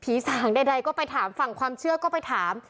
สางใดก็ไปถามฝั่งความเชื่อก็ไปถาม